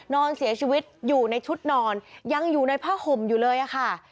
นอนเสียชีวิตอยู่ในชุดนอนยังอยู่ในผ้าห่มอยู่เลยค่ะ